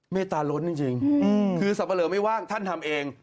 เมตตาล้นจริงคือสับปะเลอไม่ว่างท่านทำเอง